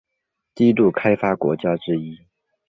低度开发国家之一。